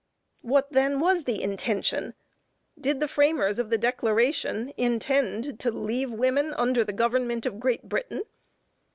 What then was the intention? Did the framers of the Declaration intend to leave women under the government of Great Britain?